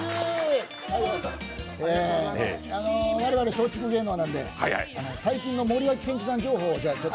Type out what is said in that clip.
我々、松竹芸能なんで最近の森脇健児さん情報を。